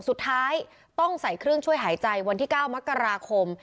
สุดท้ายต้องใส่เครื่องช่วยหายใจวันที่๙มกราคม